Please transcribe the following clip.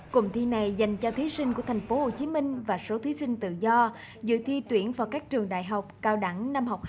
cùng thi này dành cho thí sinh của thành phố hồ chí minh và số thí sinh tự do dự thi tuyển vào các trường đại học cao đẳng